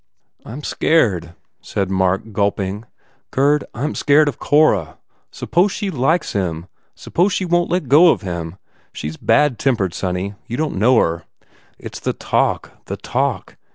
"I m scared," said Mark, gulping, "Gurd, I m scared of Cora. Suppose she likes him? Suppose she won t let go of him? She s bad tempered, sonny. You don t know her. It s the talk the talk.